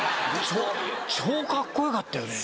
超カッコよかったよね。